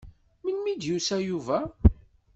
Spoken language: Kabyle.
Melmi i d-yusa Yuba?